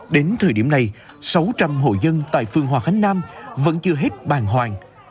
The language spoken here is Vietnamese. đến thời điểm này sáu trăm linh hộ dân tại phường hòa khánh nam vẫn chưa hết bàn hoàng